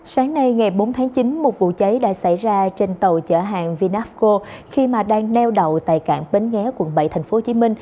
sáng nay ngày bốn tháng chín một vụ cháy đã xảy ra trên tàu chở hàng vinapco khi mà đang neo đậu tại cảng bến ghé quận bảy tp hcm